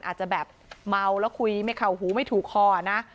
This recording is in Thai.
อาจจะแบบเมาแล้วคุยไม่เข่าหูไม่ถูกคอนะ